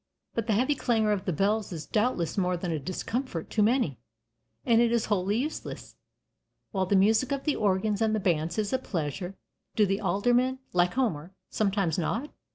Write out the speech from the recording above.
But the heavy clangor of the bells is doubtless more than a discomfort to many, and it is wholly useless, while the music of the organs and the bands is a pleasure. Do the Aldermen, like Homer, sometimes nod?